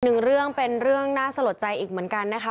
หนึ่งเรื่องเป็นเรื่องน่าสลดใจอีกเหมือนกันนะคะ